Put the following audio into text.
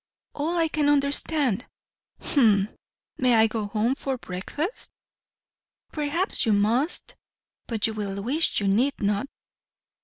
"All I can understand. H'm! May I go home for breakfast?" "Perhaps you must; but you will wish you need not."